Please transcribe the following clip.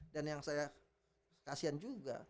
dan yang saya kasihan juga